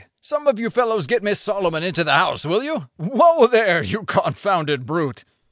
some of you fellows get Miss Solomon into the house, will you? Whoa, there! you confounded brute!"